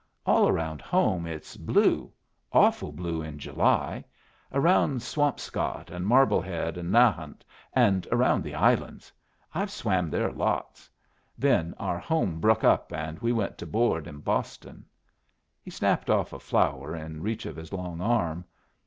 All around home it's blue awful blue in July around Swampscott and Marblehead and Nahant, and around the islands. I've swam there lots. Then our home bruck up and we went to board in Boston." He snapped off a flower in reach of his long arm.